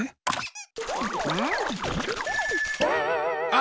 あ！